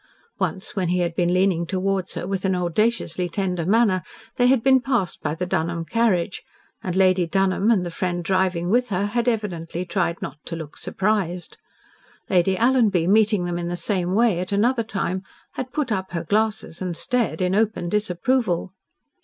Once, when he had been leaning towards her with an audaciously tender manner, they had been passed by the Dunholm carriage, and Lady Dunholm and the friend driving with her had evidently tried not to look surprised. Lady Alanby, meeting them in the same way at another time, had put up her glasses and stared in open disapproval.